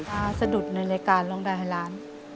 สะดุดในรายการรองดายไฮร้าน